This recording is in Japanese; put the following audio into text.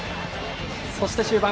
そして、終盤。